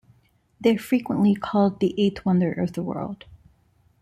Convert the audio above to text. They are frequenty called the "Eighth Wonder of the World".